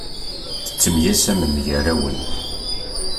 Tettemyasamem gar-awen.